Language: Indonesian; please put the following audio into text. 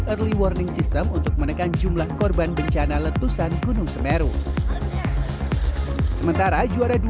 early warning system untuk menekan jumlah korban bencana letusan gunung semeru sementara juara dua